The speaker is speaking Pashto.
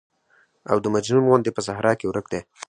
او د مجنون غوندې په صحرا کې ورک دى.